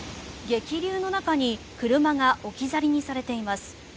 激流の中に車が置き去りにされています。